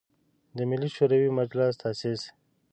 د ملي شوری مجلس تاسیس.